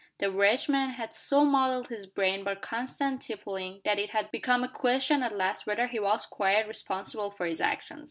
The wretched man had so muddled his brain by constant tippling that it had become a question at last whether he was quite responsible for his actions.